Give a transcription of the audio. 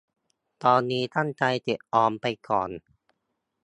ตอนนี้ตั้งใจเก็บออมไปก่อน